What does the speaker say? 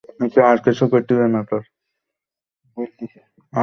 অনেক সময় লোকে তাঁদের বিনয়টাকে ভুল বোঝে এবং তাঁর মনকে আহত করে।